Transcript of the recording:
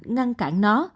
ngăn cản nó